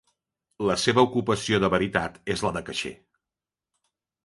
La seva ocupació de veritat és la de caixer.